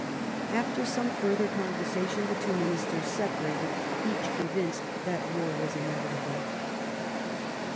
After some further conversation the two ministers separated, each convinced that war was inevitable.